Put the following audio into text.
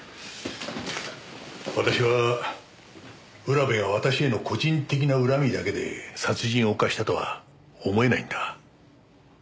私は浦部が私への個人的な恨みだけで殺人を犯したとは思えないんだ。